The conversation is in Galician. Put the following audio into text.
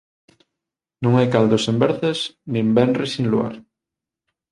Non hai caldo sen verzas nin venres sen Luar.